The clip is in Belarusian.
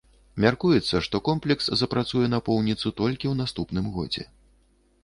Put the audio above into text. Мяркуецца, што комплекс запрацуе напоўніцу толькі ў наступным годзе.